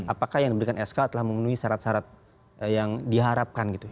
apakah yang diberikan sk telah memenuhi syarat syarat yang diharapkan gitu